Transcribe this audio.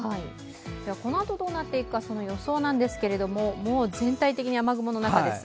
このあとどうなっていくか予想なんですけれども全体的に雨雲の中です。